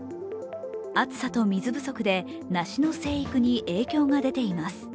暑さと水不足で梨の生育に影響が出ています。